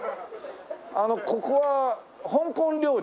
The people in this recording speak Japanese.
あのここは香港料理？